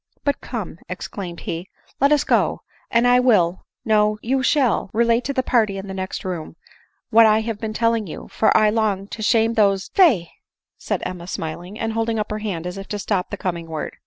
" But come," exclaimed he, " let us go ; and I will no, you shall — relate to the party in the next room what I have been telling you, for I long to shame those d —" "Fye!" said Emma smiling, and holding up her hand as if to stop the coming word.